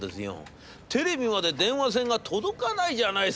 テレビまで電話線が届かないじゃないですか』。